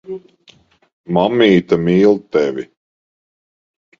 Mammīte mīl tevi.